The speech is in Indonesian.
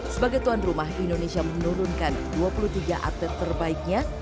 sebagai tuan rumah indonesia menurunkan dua puluh tiga atlet terbaiknya